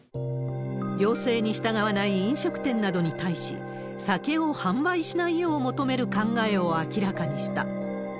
要請に従わない飲食店などに対し、酒を販売しないよう求める考えを明らかにした。